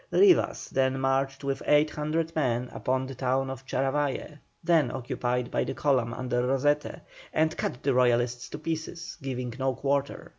Rivas then marched with 800 men upon the town of Charavaye, then occupied by the column under Rosete, and cut the Royalists to pieces, giving no quarter.